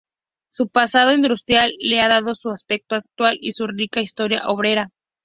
Su pasado industrial le ha dado su aspecto actual y su rica historia obrera.